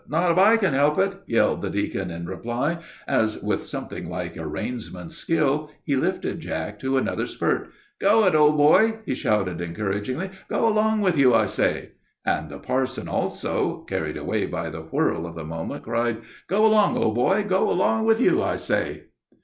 not if I can help it!" yelled the deacon in reply, as, with something like a reinsman's skill, he instinctively lifted Jack to another spurt. "Go it, old boy!" he shouted encouragingly. "Go along with you, I say!" and the parson, also carried away by the whirl of the moment, cried, "Go along, old boy! Go along with you, I say!"